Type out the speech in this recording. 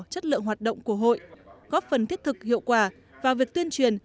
chất lượng hoạt động của hội góp phần thiết thực hiệu quả vào việc tuyên truyền